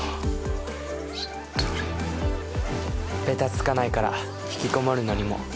ベタつかないからひきこもるのにも